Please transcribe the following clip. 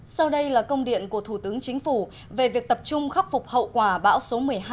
sau đây là công điện của thủ tướng chính phủ về việc tập trung khắc phục hậu quả bão số một mươi hai